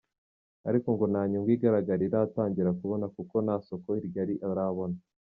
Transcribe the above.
Ariko ngo nta nyungu igaragara aratangira kubona kuko nta soko rigari arabona.